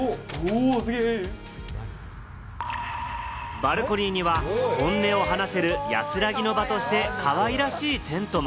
バルコニーには本音を話せる安らぎの場として、かわいらしいテントも。